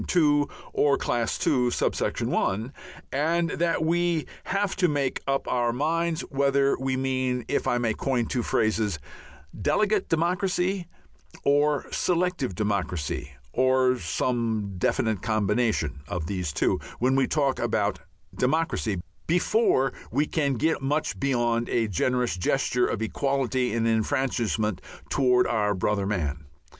(2) or Class II.(1), and that we have to make up our minds whether we mean, if I may coin two phrases, "delegate democracy" or "selective democracy," or some definite combination of these two, when we talk about "democracy," before we can get on much beyond a generous gesture of equality and enfranchisement towards our brother man.